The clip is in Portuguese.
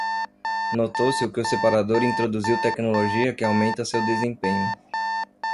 Note-se que o separador introduziu tecnologia que aumenta seu desempenho.